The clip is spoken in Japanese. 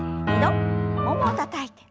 ももをたたいて。